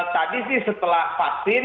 tadi sih setelah vaksin